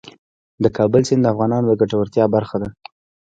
د کابل سیند د افغانانو د ګټورتیا برخه ده.